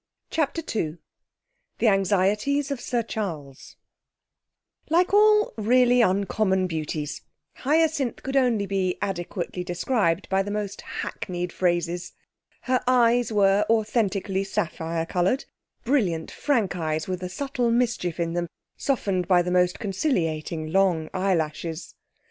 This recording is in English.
CHAPTER II The Anxieties of Sir Charles Like all really uncommon beauties, Hyacinth could only be adequately described by the most hackneyed phrases. Her eyes were authentically sapphire coloured; brilliant, frank eyes, with a subtle mischief in them, softened by the most conciliating long eyelashes.